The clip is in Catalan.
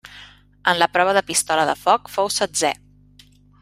En la prova de pistola de foc fou setzè.